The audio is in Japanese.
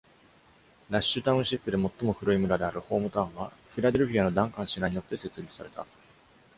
ラッシュ・タウンシップで最も古い村である、ホームタウンはフィラデルフィアのダンカン氏らによって設立された。